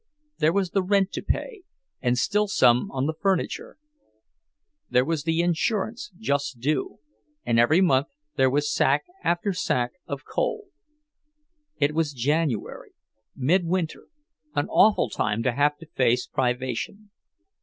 There was the rent to pay, and still some on the furniture; there was the insurance just due, and every month there was sack after sack of coal. It was January, midwinter, an awful time to have to face privation.